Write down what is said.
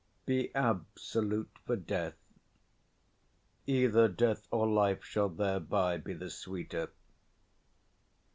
_ Be absolute for death; either death or life 5 Shall thereby be the sweeter.